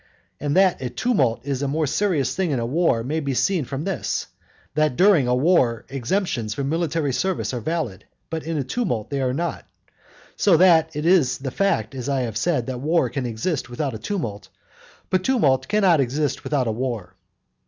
And that a "tumult" is a more serious thing than a "war" may be seen from this, that during a war exemptions from military service are valid, but in a tumult they are not. So that it is the fact, as I have said, that war can exist without a tumult, but a tumult cannot exist without a war.